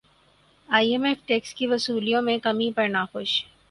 ئی M F tax کی وصولیوں میں کمی پر ناخوش